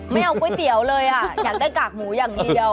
ไม่เอาก๋วยเตี๋ยวเลยอ่ะอยากได้กากหมูอย่างเดียว